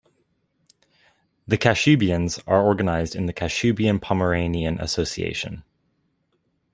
The Kashubians are organized in the Kashubian-Pomeranian Association.